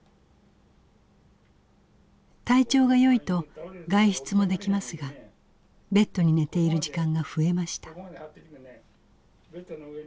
体調がよいと外出もできますがベッドに寝ている時間が増えました。